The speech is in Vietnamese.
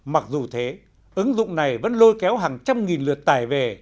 mặc dù thế ứng dụng này vẫn lôi kéo hàng trăm nghìn lượt tài về